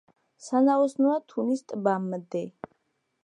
სანაოსნოა თუნის ტბამდე.